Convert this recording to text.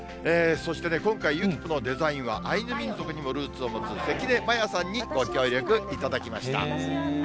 そして、今回、ゆきポのデザインは、アイヌ民族にもルーツを持つ関根摩耶さんにご協力いただきました。